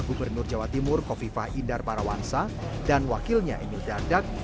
gubernur jawa timur kofifah indar parawansa dan wakilnya emil dardak